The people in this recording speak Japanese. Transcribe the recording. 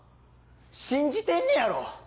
信じてんねやろ⁉